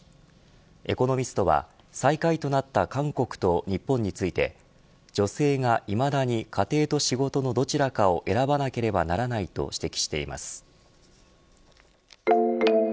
エコノミストは、最下位となった韓国と日本について女性がいまだに家庭と仕事のどちらかを選ばなければならないと指摘しています。